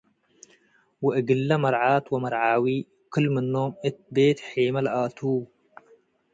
ወእግለ መርዓት ወመርዓዊ ክል-ምኖም እት ቤት- ሔመ ለኣትዉ ።